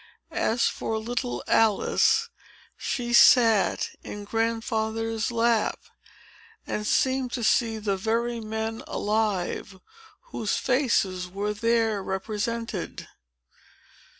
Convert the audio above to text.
As for little Alice, she sat in Grandfather's lap, and seemed to see the very men alive, whose faces were there represented.